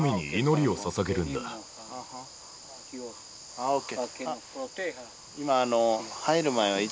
ああＯＫ